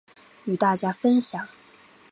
与大家分享